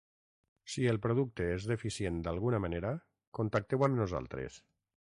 Si el producte és deficient d'alguna manera, contacteu amb nosaltres.